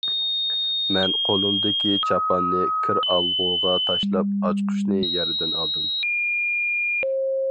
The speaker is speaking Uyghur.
مەن قولۇمدىكى چاپاننى كىر ئالغۇغا تاشلاپ، ئاچقۇچنى يەردىن ئالدىم.